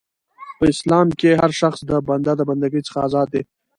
په اسلام کښي هرشخصیت د بنده د بنده ګۍ څخه ازاد دي .